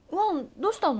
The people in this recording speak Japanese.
どうしたの？